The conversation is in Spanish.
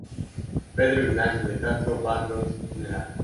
Pedro Ignacio de Castro Barros, el Gral.